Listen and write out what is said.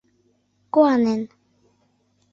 Куанен